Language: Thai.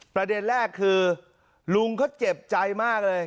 ประเด็นแรกคือลุงเขาเจ็บใจมากเลย